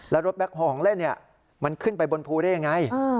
แล้วรถแบคโฮของเล่นเนี่ยมันขึ้นไปบนภูเล่ยังไง